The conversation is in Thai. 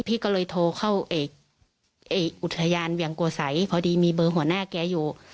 พี่ก็เลยโทรเข้าอุทยานเวียงโกสัยพอดีมีเบอร์หัวหน้าแกอยู่